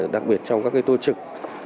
đặc biệt trong các tổ chức